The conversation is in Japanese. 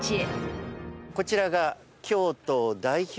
こちらが。